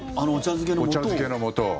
お茶漬けのもとを。